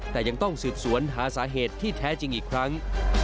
แต่ยังต้องสืบสวนหาสาเหตุที่แท้จริงอีกครั้ง